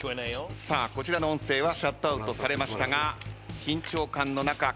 さあこちらの音声はシャットアウトされましたが緊張感の中カードが配られます。